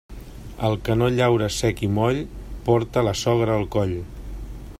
El que no llaura sec i moll, porta la sogra al coll.